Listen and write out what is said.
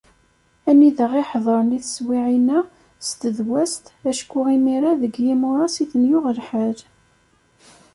Anida i ḥeḍren i teswiɛin-a s tedwast, acku imir-a deg yimuras i ten-yuɣ lḥal.